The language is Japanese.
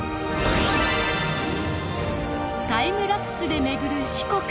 タイムラプスで巡る四国